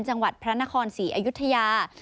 จังหวัดพระนคร๔อายุทยา